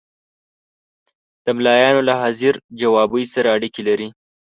د ملایانو له حاضر جوابي سره اړیکې لري.